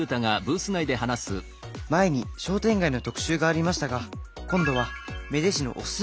「前に商店街の特集がありましたが今度は芽出市のおススメ